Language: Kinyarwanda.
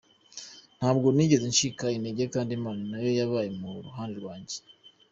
Ntabwo nigeze ncika intege, kandi Imana na yo yabaye mu ruhande rwanjye".